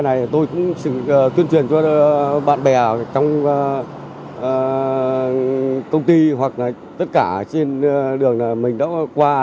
vấn đề này tôi cũng tuyên truyền cho bạn bè trong công ty hoặc là tất cả trên đường là mình đã qua